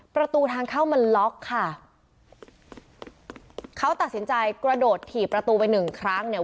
ประตูทางเข้ามันล็อกค่ะเขาตัดสินใจกระโดดถี่ประตูไปหนึ่งครั้งเนี่ย